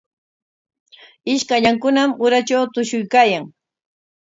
Ishkallankunam uratraw tushuykaayan.